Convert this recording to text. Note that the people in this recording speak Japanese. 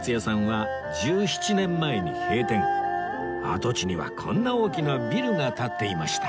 跡地にはこんな大きなビルが立っていました